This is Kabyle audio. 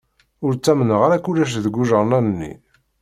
Ur ttamneɣ ara kullec deg ujernan-nni